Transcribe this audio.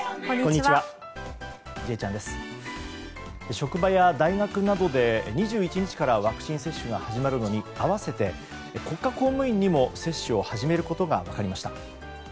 職場や大学などで２１日からワクチン接種が始まるのに合わせて国家公務員にも接種を始めることが分かりました。